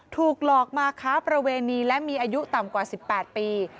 ถูกหลอกมาค้าประเวณีและมีอายุต่ำกว่า๑๘ปี